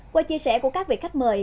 qua chia sẻ của các vị khách mời